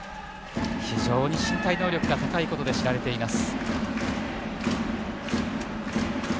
非常に身体能力が高いことで知られています。